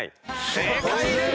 正解です。